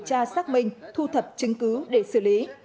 cơ quan cảnh sát điều tra xác minh thu thập chứng cứ để xử lý